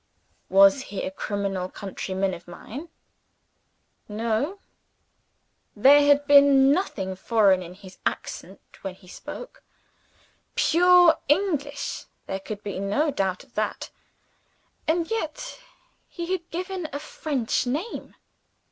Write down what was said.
_ Was he a criminal countryman of mine? No! There had been nothing foreign in his accent when he spoke. Pure English there could be no doubt of that. And yet he had given a French name.